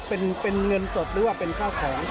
เป็นเงินสดหรือว่าเป็นข้าวของ